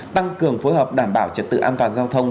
tăng cường phối hợp đảm bảo trật tự an toàn giao thông